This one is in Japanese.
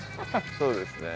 そうですね。